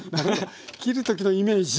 切る時のイメージで今。